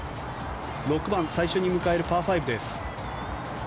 ６番、最初に迎えるパー５です。